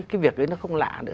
cái việc ấy nó không lạ nữa